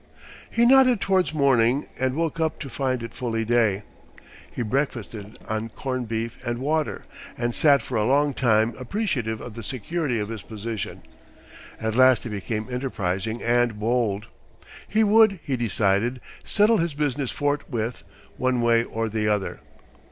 He nodded towards morning and woke up to find it fully day. He breakfasted on corned beef and water, and sat for a long time appreciative of the security of his position. At last he became enterprising and bold. He would, he decided, settle this business forthwith, one way or the other.